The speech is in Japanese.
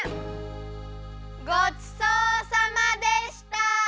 ごちそうさまでした！